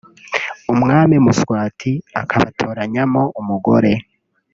umwami Mswati akabatoranyamo umugore